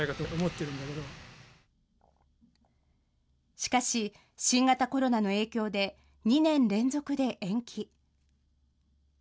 しかし、新型コロナの影響で２年連続で延期。